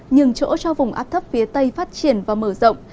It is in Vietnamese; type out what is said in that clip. nhường chỗ cho vùng áp thấp phía tây phát triển và mở rộng